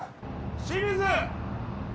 清水！